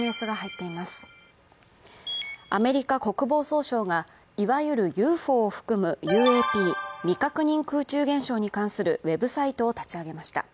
アメリカ国防総省が、いわゆるＵＦＯを含むＵＡＰ＝未確認空中現象に関するウェブサイトを立ち上げました。